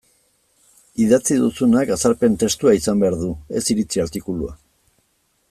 Idatzi duzunak azalpen testua izan behar du, ez iritzi artikulua.